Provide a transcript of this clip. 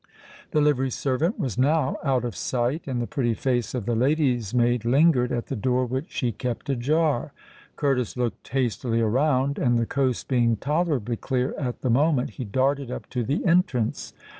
The livery servant was now out of sight—and the pretty face of the lady's maid lingered at the door which she kept ajar. Curtis looked hastily around; and, the coast being tolerably clear at the moment, he darted up to the entrance.